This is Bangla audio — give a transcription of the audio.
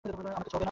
আমাকে ছোঁবে না।